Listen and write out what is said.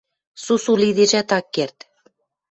Сусу лидежӓт ак керд.